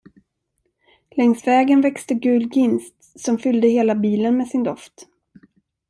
Längs vägen växte gul ginst som fyllde hela bilen med sin doft.